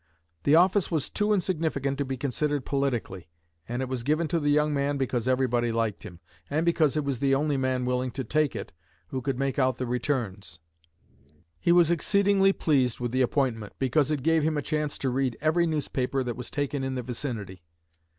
"The office was too insignificant to be considered politically, and it was given to the young man because everybody liked him, and because he was the only man willing to take it who could make out the returns. He was exceedingly pleased with the appointment, because it gave him a chance to read every newspaper that was taken in the vicinity.